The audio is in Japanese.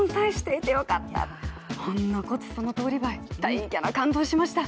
ほんのこつ、そのとおりばい、たいぎゃな感動しました。